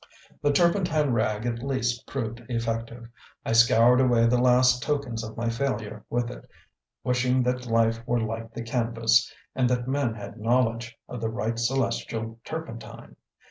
The turpentine rag at least proved effective; I scoured away the last tokens of my failure with it, wishing that life were like the canvas and that men had knowledge of the right celestial turpentine.